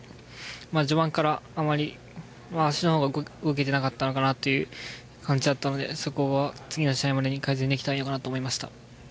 序盤からあまり足の方が動けてなかったのかなという感じだったのでそこは次の試合までに改善できたらいいのかなと思いました。